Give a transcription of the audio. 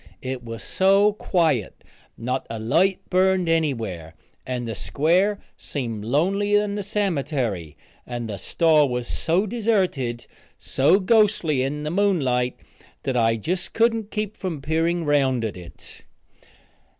It was so quiet; not a light burned anywhere, and the square seemed lonelier than the cemetery, and the store was so deserted, so ghostly in the moonlight, that I just couldn't keep from peering around at it.